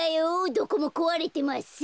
どこもこわれてません。